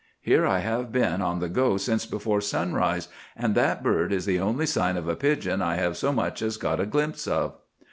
Here I have been on the go since before sunrise, and that bird is the only sign of a pigeon I have so much as got a glimpse of."